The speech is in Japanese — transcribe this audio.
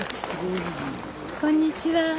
こんにちは。